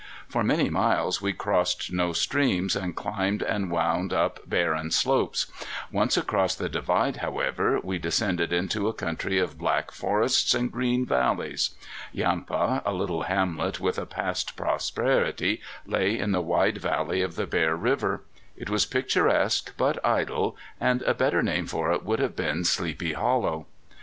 For many miles we crossed no streams, and climbed and wound up barren slopes. Once across the divide, however, we descended into a country of black forests and green valleys. Yampa, a little hamlet with a past prosperity, lay in the wide valley of the Bear River. It was picturesque but idle, and a better name for it would have been Sleepy Hollow.